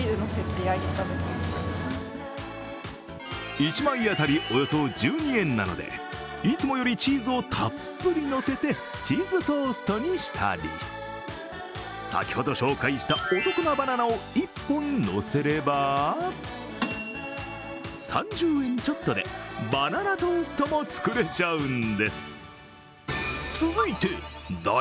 １枚当たりおよそ１２円なので、いつもよりチーズをたっぷりのせてチーズトーストにしたり、先ほど紹介したお得なバナナを１本乗せれば３０円ちょっとでバナナトーストも作れちゃうんです。